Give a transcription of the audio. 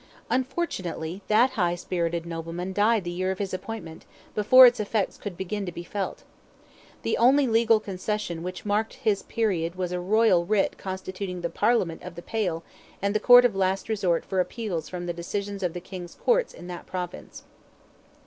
Unfortunately that high spirited nobleman died the year of his appointment, before its effects could begin to be felt. The only legal concession which marked his period was a royal writ constituting the "Parliament" of the Pale the court of last resort for appeals from the decisions of the King's courts in that province.